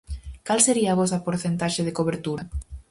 Cal sería a vosa porcentaxe de cobertura?